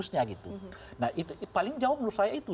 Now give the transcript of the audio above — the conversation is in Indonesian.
nah itu paling jauh menurut saya itu